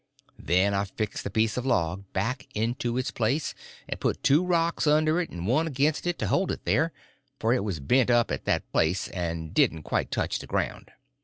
Then I fixed the piece of log back into its place, and put two rocks under it and one against it to hold it there, for it was bent up at that place and didn't quite touch ground.